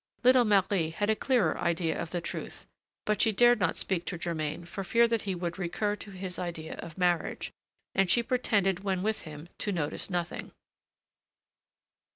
Little Marie had a clearer idea of the truth, but she dared not speak to Germain for fear that he would recur to his idea of marriage, and she pretended when with him to notice nothing.